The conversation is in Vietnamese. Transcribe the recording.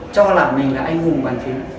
cho là mình là anh hùng bàn phím